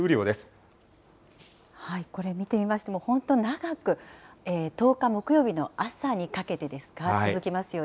これ、見てみましても本当、長く、１０日木曜日の朝にかけてですか、続きますよね。